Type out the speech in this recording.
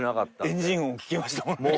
エンジン音聞きましたもんね。